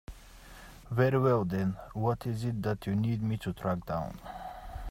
Very well then, what is it that you need me to track down?